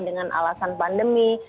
dengan alasan pandemi